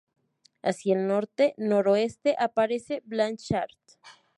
Hacia el norte-noroeste aparece Blanchard.